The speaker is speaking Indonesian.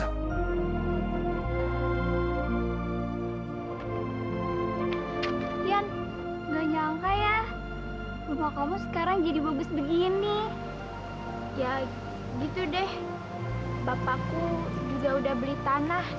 ian gak nyangka ya rumah kamu sekarang jadi bagus begini ya gitu deh bapakku juga udah beli tanah